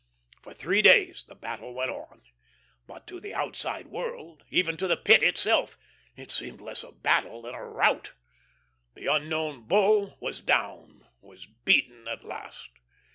For three days the battle went on. But to the outside world even to the Pit itself it seemed less a battle than a rout. The "Unknown Bull" was down, was beaten at last.